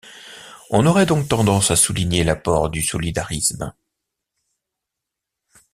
On aurait donc tendance à souligner l'apport du solidarisme.